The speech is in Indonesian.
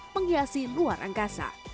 menghiasi luar angkasa